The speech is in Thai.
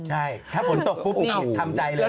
ใช่ถ้าฝนตกปุ๊บทำใจเลย